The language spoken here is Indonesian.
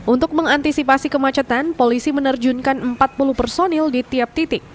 untuk mengantisipasi kemacetan polisi menerjunkan empat puluh personil di tiap titik